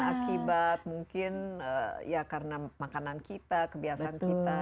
akibat mungkin ya karena makanan kita kebiasaan kita